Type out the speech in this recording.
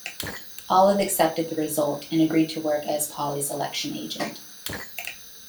Olive accepted the result, and agreed to work as Paulley's election agent.